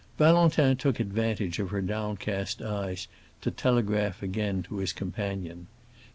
Valentin took advantage of her downcast eyes to telegraph again to his companion.